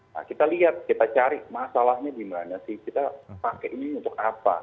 nah kita lihat kita cari masalahnya di mana sih kita pakai ini untuk apa